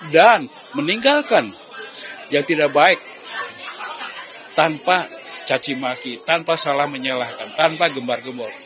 dan meninggalkan yang tidak baik tanpa cacimaki tanpa salah menyalahkan tanpa gembar gembor